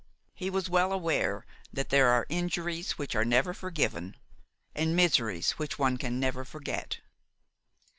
He was well aware that there are injuries which are never forgiven and miseries which one can never forget.